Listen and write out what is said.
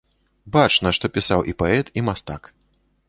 Бачна, што пісаў і паэт, і мастак.